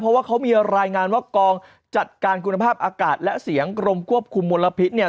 เพราะว่าเขามีรายงานว่ากองจัดการคุณภาพอากาศและเสียงกรมควบคุมมลพิษเนี่ย